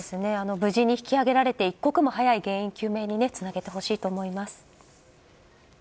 無事に引き揚げられて一刻も早い原因究明につなげてほしいと思います。